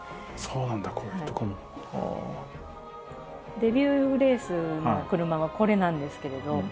デビューレースの車はこれなんですけれど。